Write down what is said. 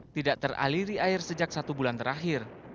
tidak teraliri air sejak satu bulan terakhir